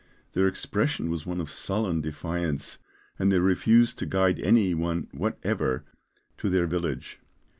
Their expression was one of sullen defiance, and they refused to guide any one whatever to their village.